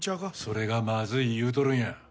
それがまずい言うとるんや。